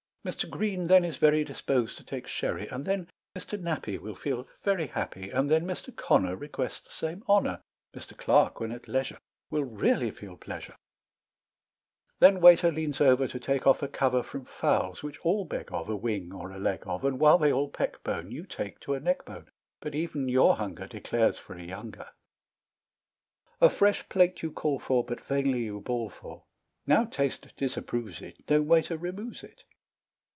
Mr. Green then is very Disposed to take Sherry; And then Mr. Nappy Will feel very happy; And then Mr. Conner Requests the same honor; Mr. Clark, when at leisure, Will really feel pleasure; Then waiter leans over To take off a cover From fowls, which all beg of, A wing or a leg of; And while they all peck bone, You take to a neck bone, But even your hunger Declares for a younger. A fresh plate you call for, But vainly you bawl for; Now taste disapproves it, No waiter removes it.